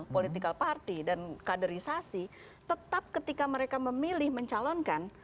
politikal parti dan kaderisasi tetap ketika mereka memilih mencalonkan